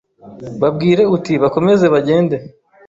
babwire uti bakomeze bagende